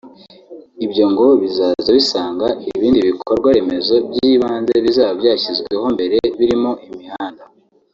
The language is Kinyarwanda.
Ibyo ngo bizaza bisanga ibindi bikorwa remezo by’ibanze bizaba byashyizweho mbere birimo imihanda